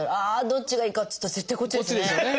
どっちがいいかっつったら絶対こっちですよね。